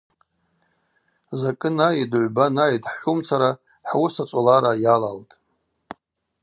Закӏы найитӏ, гӏвба найитӏ – хӏхӏвумцара хӏуыс ацӏолара йалалтӏ.